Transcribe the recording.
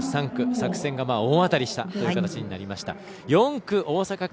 作戦が大当たりしたという形になりました。